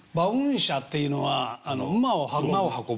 車っていうのは馬を運ぶ。